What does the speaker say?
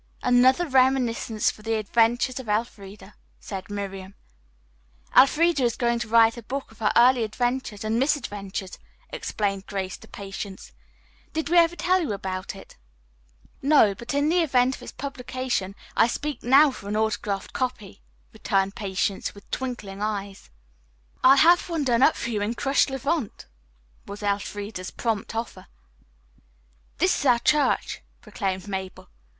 '" "Another reminiscence for 'The Adventures of Elfreda,'" said Miriam. "Elfreda is going to write a book of her early adventures and misadventures," explained Grace to Patience. "Did we ever tell you about it?" "No; but in the event of its publication I speak now for an autographed copy," returned Patience, with twinkling eyes. "I'll have one done up for you in crushed Levant," was Elfreda's prompt offer. "This is our church," proclaimed Mabel.